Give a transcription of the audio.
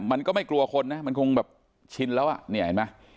มันก็ไม่กลัวคนนะมันคงแบบชินแล้วอ่ะเนี่ยเห็นไหม